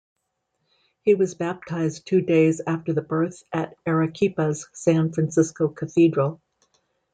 He was baptized two days after birth at Arequipa's San Francisco cathedral.